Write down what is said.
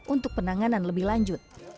untuk penanganan lebih lanjut